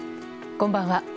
こんばんは。